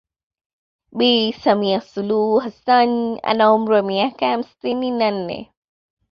Bi Samia Suluhu Hassanni ana umri wa miaka hamsini na nne